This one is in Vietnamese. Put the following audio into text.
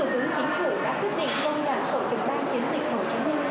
vô nhận sổ trực ban chiến dịch hồ chí minh